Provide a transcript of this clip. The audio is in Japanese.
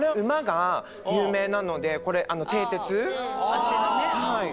足のね。